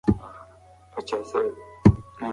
زه به تر راتلونکي کال پورې د واليبال په یو کلب کې شامل شم.